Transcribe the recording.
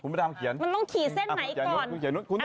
มันต้องขี่เส้นไหนก่อน